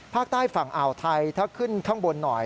ภาคใต้ฝั่งอ่าวไทยถ้าขึ้นข้างบนหน่อย